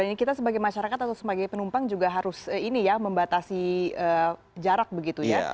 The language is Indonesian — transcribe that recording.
dan ini kita sebagai masyarakat atau sebagai penumpang juga harus ini ya membatasi jarak begitu ya